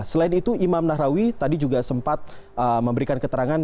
selain itu imam nahrawi tadi juga sempat memberikan keterangan